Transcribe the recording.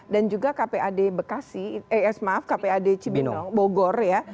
dan juga kpad bekasi eh maaf kpad cibinong bogor ya